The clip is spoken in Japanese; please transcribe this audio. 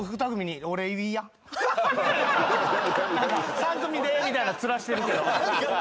「３組で」みたいな面してるけど。